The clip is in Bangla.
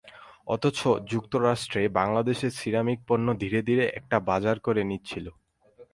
অথচ যুক্তরাষ্ট্রে বাংলাদেশের সিরামিক পণ্য ধীরে ধীরে একটা বাজার করে নিচ্ছিল।